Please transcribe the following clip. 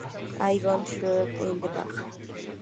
I got sunshine, in a bag.